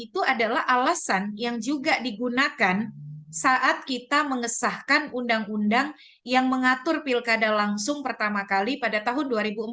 itu adalah alasan yang juga digunakan saat kita mengesahkan undang undang yang mengatur pilkada langsung pertama kali pada tahun dua ribu empat